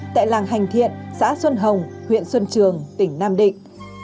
tại làng hành thiện xã xuân hồng huyện xuân trường tỉnh nam định